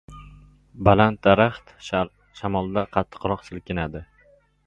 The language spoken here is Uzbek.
• Baland daraxt shamolda qattiqroq silkinadi.